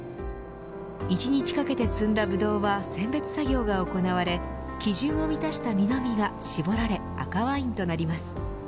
１日かけて摘んだブドウは選別作業が行われ基準を満たした実のみが絞られ赤ワインになります。